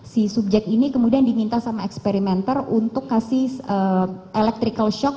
si subjek ini kemudian diminta sama eksperimenter untuk kasih electrical shock